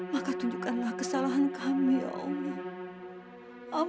maka tunjukkanlah kesalahan kami ya allah